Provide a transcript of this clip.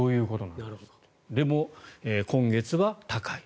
でも今月は高い。